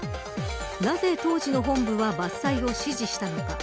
なぜ当時の本部は伐採を指示したのか。